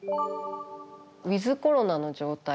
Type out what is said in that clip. ウィズコロナの状態